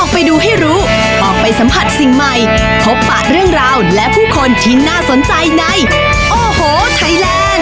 โปรดติดตามตอนต่อไป